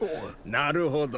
なるほど。